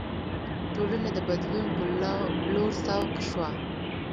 ټولنه د بدلون په لور سوق شوه.